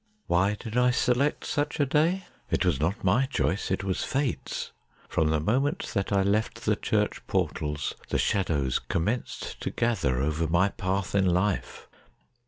Why did I select such a day ? It was not my choice, it was Fate's. From the moment that I left the church portals, the shadows commenced to gather over my path in life.